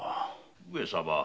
上様。